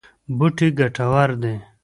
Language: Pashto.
بوټي ګټور دي.